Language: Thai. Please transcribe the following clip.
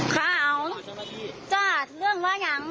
ข่าวจ้าเรื่องอะไรยัง